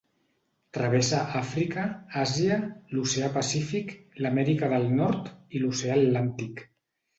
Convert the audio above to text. Travessa Àfrica, Àsia, l'Oceà Pacífic, l'Amèrica del Nord i l'oceà Atlàntic.